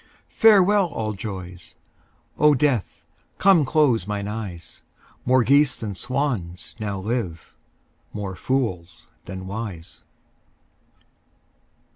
Farewell, all joys; O Death, come close mine eyes; More geese than swans now live, more fools than wise.